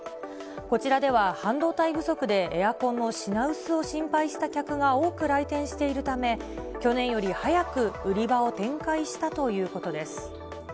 こちらでは、半導体不足でエアコンの品薄を心配した客が多く来店しているため、去年より早く売り場を展開したということです。